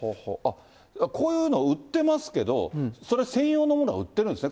こういうの売ってますけど、それ専用のものが売ってるんですね。